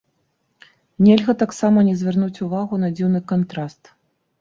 Нельга таксама не звярнуць увагу на дзіўны кантраст.